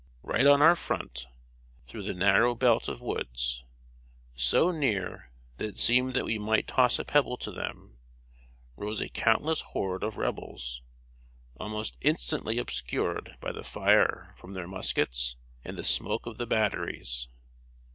Right on our front, through the narrow belt of woods, so near that it seemed that we might toss a pebble to them, rose a countless horde of Rebels, almost instantly obscured by the fire from their muskets and the smoke of the batteries.